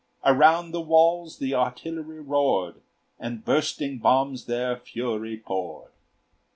Around the walls the artillery roared, And bursting bombs their fury poured.